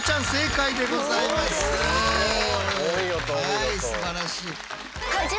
はいすばらしい。